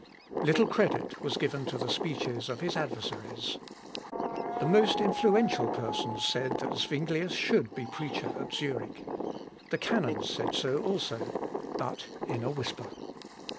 Little credit was given to the speeches of his adversaries. The most influential persons said, that Zuinglius should be preacher at Zurich. The canons said so also, but in a whisper.